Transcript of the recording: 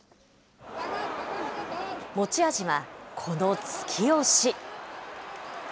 持ち味はこの突き押し。